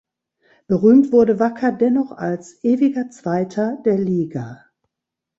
Berühmt wurde Wacker dennoch als „ewiger Zweiter“ der Liga.